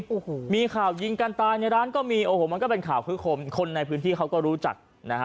โอ้โหมีข่าวยิงกันตายในร้านก็มีโอ้โหมันก็เป็นข่าวคือคมคนในพื้นที่เขาก็รู้จักนะฮะ